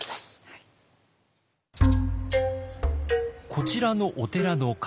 こちらのお寺の鐘。